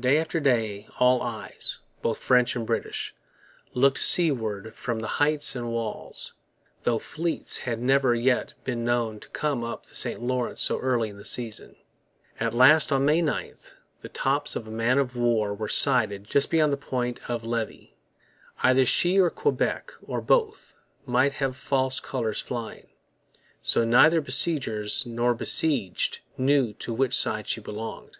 Day after day all eyes, both French and British, looked seaward from the heights and walls; though fleets had never yet been known to come up the St Lawrence so early in the season. At last, on May 9, the tops of a man of war were sighted just beyond the Point of Levy. Either she or Quebec, or both, might have false colours flying. So neither besiegers nor besieged knew to which side she belonged.